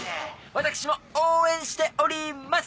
私も応援しております！